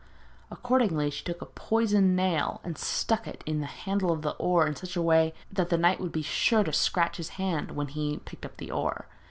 Accordingly she took a poisoned nail and stuck it in the handle of the oar in such a way that the knight would be sure to scratch his hand when he picked up the oar.